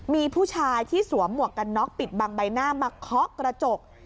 มีผู้ชายที่สวมหมวกกันน็อกปิดบังใบหน้ามาเคาะกระจก